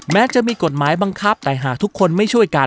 แม้จะมีกฎหมายบังคับแต่หากทุกคนไม่ช่วยกัน